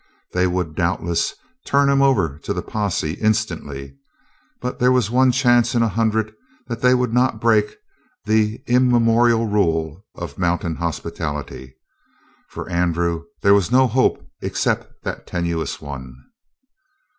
They would doubtless turn him over to the posse instantly. But there was one chance in a hundred that they would not break the immemorial rule of mountain hospitality. For Andrew there was no hope except that tenuous one.